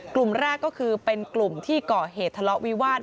กลุ่มแรกก็คือเป็นกลุ่มที่ก่อเหตุทะเลาะวิวาส